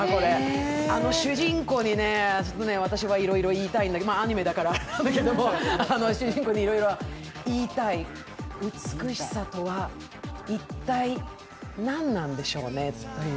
あの主人公に私はいろいろ言いたいんだけど、アニメだからあれだけれども主人公に言いたい、美しさとは一体何なんでしょうねという。